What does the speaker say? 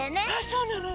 そうなの？